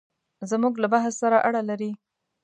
زموږ له بحث سره اړه لري.